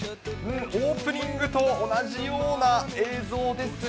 オープニングと同じような映像ですね。